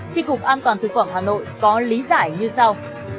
di cục an toàn tp hà nội có lý giải như sau